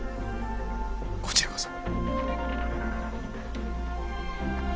こちらこそ。